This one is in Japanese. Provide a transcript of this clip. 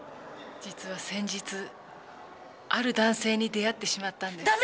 実は先日ある男性に出会ってしまったんです。